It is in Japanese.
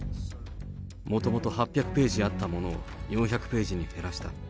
もともと８００ページあったものを４００ページに減らした。